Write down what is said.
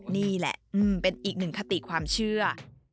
นี่แหละเป็นอีกหนึ่งคติความเชื่อ